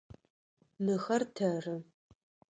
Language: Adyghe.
Мыхэр тэры.